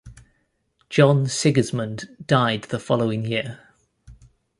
John Sigismund died in the following year.